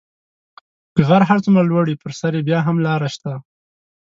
که غر هر څومره لوړ وي په سر یې بیا هم لاره شته .